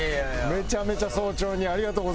めちゃめちゃ早朝にありがとうございます。